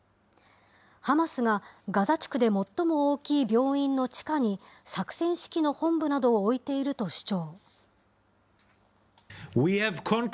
ハマスが、ガザ地区で最も大きい病院の地下に作戦指揮の本部などを置いていると主張。